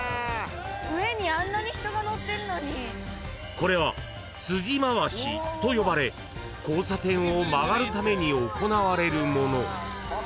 ［これは辻廻しと呼ばれ交差点を曲がるために行われるもの］